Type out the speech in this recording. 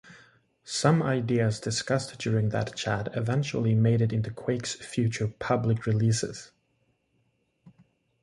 Some ideas discussed during that chat eventually made it into Quake's future public releases.